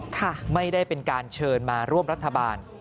ไม่ได้เป็นการเชิญมาร่วมรัฐบาล